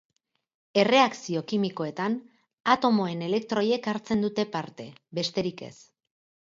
Erreakzio kimikoetan, atomoen elektroiek hartzen dute parte, besterik ez.